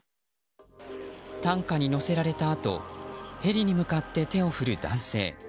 担架に乗せられたあとヘリに向かって手を振る男性。